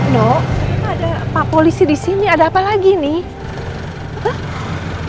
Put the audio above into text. no ada pak polisi disini ada apa lagi nih